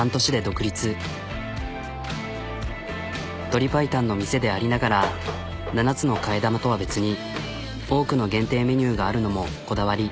鶏パイタンの店でありながら７つの替え玉とは別に多くの限定メニューがあるのもこだわり。